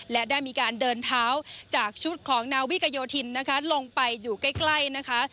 และได้มีการเดินเท้าจากชุดของนาวิกโยธินนะคะลงไปอยู่ใกล้นะคะ